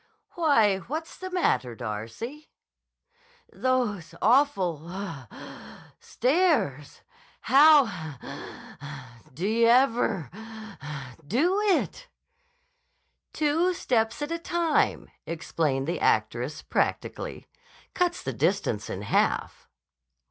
"Why, what's the matter, Darcy?" "Those awful—pouf!—stairs. How—whoof uff!—d' you ever—whoo oo oof!—do it?" "Two steps at a time," explained the actress practically, "cuts the distance in half."